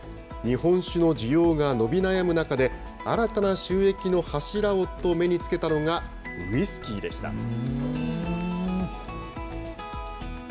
日本酒の需要が伸び悩む中で、新たな収益の柱をと目につけたのがウイスキーでした。